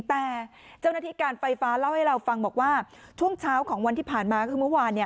แต่เจ้าหน้าที่การไฟฟ้าเล่าให้เราฟังบอกว่าช่วงเช้าของวันที่ผ่านมาคือเมื่อวาน